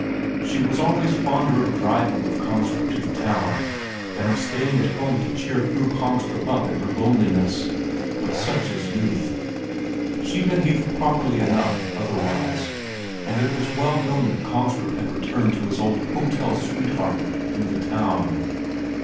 She was always fonder of driving with Kongstrup to the town than of staying at home to cheer Fru Kongstrup up in her loneliness; but such is youth. She behaved properly enough otherwise, and it was well known that Kongstrup had returned to his old hotel sweethearting in the town.